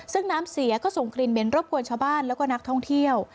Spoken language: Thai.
ซึ่งน้ำเสียก็ส่งกลิ่นเหม็นรบกวนชาวบ้านแล้วก็นักท่องเที่ยว